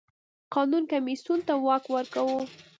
قانون کمېسیون ته واک ورکاوه.